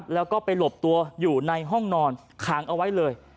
แล้วก็ไปหลบตัวอยู่ในห้องนอนขังเอาไว้เลย